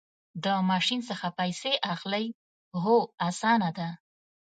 د ماشین څخه پیسې اخلئ؟ هو، اسانه ده